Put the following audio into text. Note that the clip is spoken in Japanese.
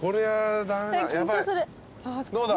どうだ？